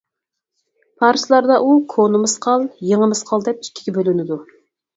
پارسلاردا ئۇ كونا مىسقال، يېڭى مىسقال دەپ ئىككىگە بۆلۈنىدۇ.